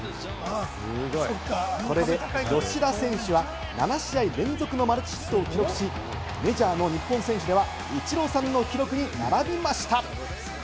これで吉田選手は７試合連続のマルチヒットを記録し、メジャーの日本選手ではイチローさんの記録に並びました。